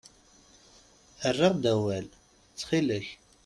Err-aɣ-d awal, ttxil-k.